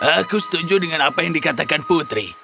aku setuju dengan apa yang dikatakan putri